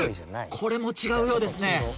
これも違うようですね。